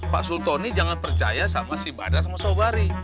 pak sultoni jangan percaya sama si badar sama saubari